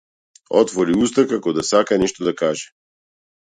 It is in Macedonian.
Отвори уста како да сака нешто да каже.